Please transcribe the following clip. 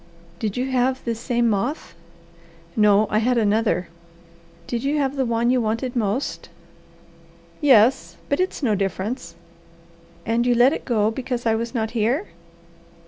"Did you have this same moth?" "No, I had another." "Did you have the one you wanted most?" "Yes but it's no difference." "And you let it go because I was not here?"